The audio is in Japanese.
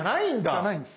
じゃないんです。